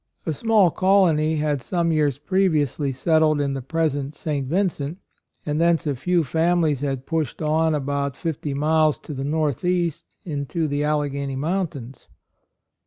A small colony had some years previously settled 82 A ROYAL SON in the present St. Vincent, and thence a few families had pushed on about fifty miles to the northeast into the Allegheny Mountains.